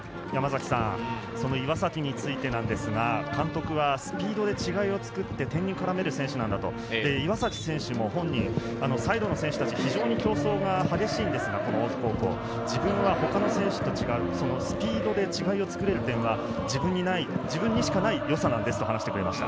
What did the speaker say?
岩崎についてなんですが、監督はスピードで違いをつくって点に絡める選手なんだと、岩崎選手もサイドの選手達、非常に競争が激しいんですが、自分は他の選手と違うスピードで違いを作れる点は自分にしかない良さなんですと話していました。